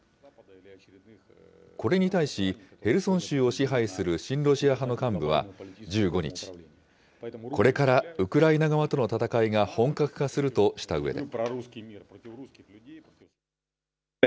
これに対し、ヘルソン州を支配する親ロシア派の幹部は１５日、これからウクライナ側との戦いが本格化するとしたうえで。